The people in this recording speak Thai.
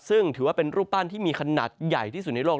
ซึ่งถือว่าเป็นรูปปั้นที่มีขนาดใหญ่ที่สุดในโลก